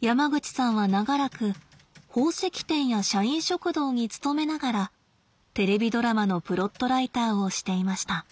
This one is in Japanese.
山口さんは長らく宝石店や社員食堂に勤めながらテレビドラマのプロットライターをしていました。